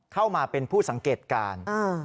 เข้ามาเป็นผู้สังเกตการ